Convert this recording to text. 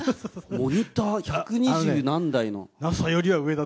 モニター百二十何台の。